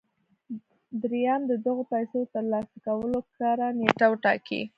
درېيم د دغو پيسو د ترلاسه کولو کره نېټه وټاکئ.